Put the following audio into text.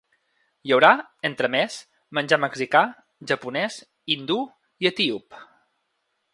Hi haurà, entre més, menjar mexicà, japonès, hindú i etíop.